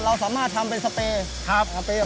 เราสามารถทำเป็นสเปรย์